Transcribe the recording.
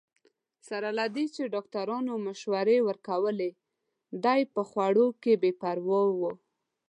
سره له دې چې ډاکټرانو مشورې ورکولې، دی په خوړو کې بې پروا وو.